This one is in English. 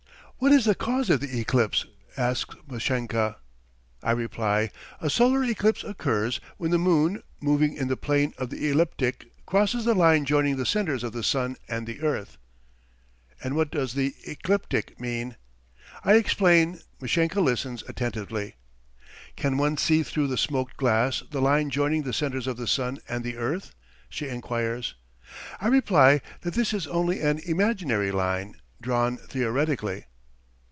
"What is the cause of the eclipse?" asks Mashenka. I reply: "A solar eclipse occurs when the moon, moving in the plane of the ecliptic, crosses the line joining the centres of the sun and the earth." "And what does the ecliptic mean?" I explain. Mashenka listens attentively. "Can one see through the smoked glass the line joining the centres of the sun and the earth?" she enquires. I reply that this is only an imaginary line, drawn theoretically.